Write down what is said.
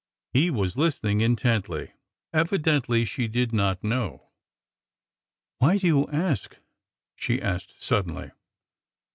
He was listening intently. Evidently, she did not know. '' Why did you ask ?" she asked suddenly.